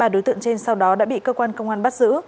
ba đối tượng trên sau đó đã bị cơ quan công an bắt giữ